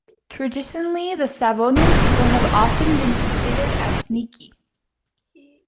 Traditionally, the Savonian people have often been considered as "sneaky".